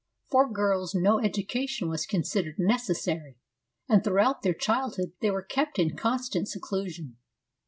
For girls no education was considered necessary, and throughout their childhood they were kept in constant seclusion.